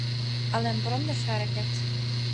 ئەڵێم بڕۆم لە شارەکەت